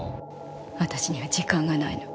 私には時間がないの。